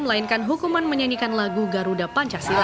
melainkan hukuman menyanyikan lagu garuda pancasila